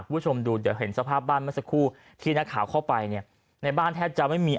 คุณผู้ชมดูเดี๋ยวเห็นสภาพบ้านเมื่อสักครู่ที่นักข่าวเข้าไปเนี่ยในบ้านแทบจะไม่มี